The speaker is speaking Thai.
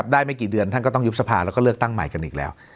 ไม่กี่เดือนท่านก็ต้องยุบสภาแล้วก็เลือกตั้งใหม่กันอีกแล้ว